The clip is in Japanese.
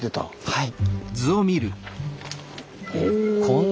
はい。